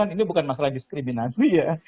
ini bukan masalah diskriminasi ya